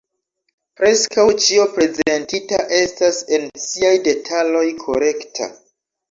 Preskaŭ ĉio prezentita estas en siaj detaloj korekta.